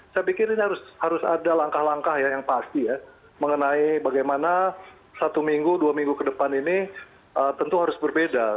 saya pikir ini harus ada langkah langkah yang pasti ya mengenai bagaimana satu minggu dua minggu ke depan ini tentu harus berbeda